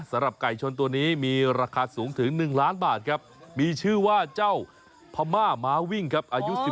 สำหรับไก่ชนตัวนี้มีราคาสูงถึง๑ล้านบาทครับ